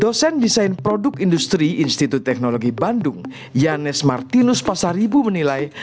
dosen desain produk industri institut teknologi bandung yanes martinus pasaribu menilai